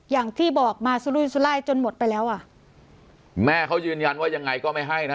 อย่างที่บอกมาสุรุยสุรายจนหมดไปแล้วอ่ะแม่เขายืนยันว่ายังไงก็ไม่ให้นะ